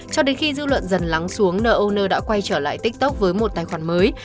cho đến khi dư luận dần lắng xuống nô ô nô đã quay trở lại tiktok với một tài khoản mới